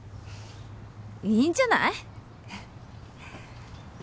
いいんじゃない？